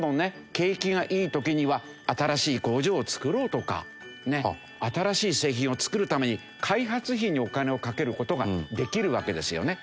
景気がいい時には新しい工場を造ろうとか新しい製品を作るために開発費にお金をかける事ができるわけですよね。